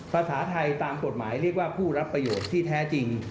ภาษาไทยตามกฎหมายเรียกว่าผู้รับประโยชน์ที่แท้จริง